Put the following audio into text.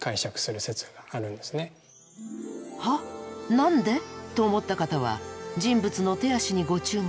何で？」と思った方は人物の手足にご注目。